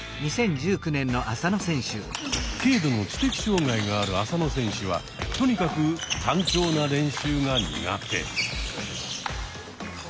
軽度の知的障害がある浅野選手はとにかく単調な練習が苦手。